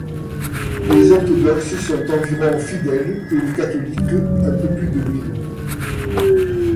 Les orthodoxes sont environ fidèles et les catholiques un peu plus de mille.